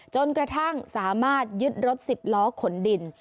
จนกระทั่งสามารถยึดรถสิบล้อขนดิน